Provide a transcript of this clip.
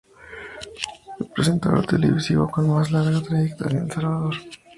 Es el presentador televisivo con más larga trayectoria en El Salvador.